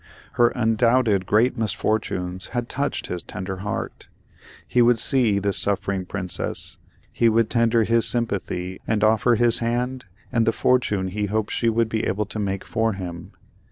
Her undoubted great misfortunes had touched his tender heart. He would see this suffering Princess—he would tender his sympathy and offer his hand and the fortune he hoped she would be able to make for him.